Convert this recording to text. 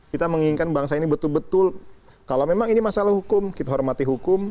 kita menginginkan bangsa ini betul betul kalau memang ini masalah hukum kita hormati hukum